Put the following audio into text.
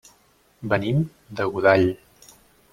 Venim de Godall.